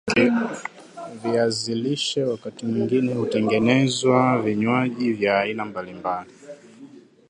viazi lishe wakati mwingine hutengenezwa vinywaji vya aina mbalimbali